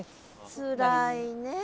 つらいねえ。